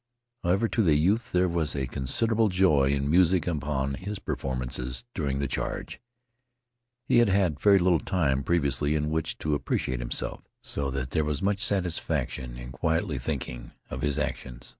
However, to the youth there was a considerable joy in musing upon his performances during the charge. He had had very little time previously in which to appreciate himself, so that there was now much satisfaction in quietly thinking of his actions.